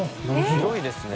広いですね。